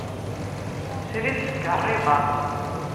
Srid seg Ṛebbat.